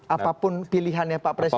apapun pilihannya pak presiden